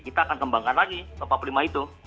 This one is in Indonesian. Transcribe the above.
kita akan kembangkan lagi ke empat puluh lima itu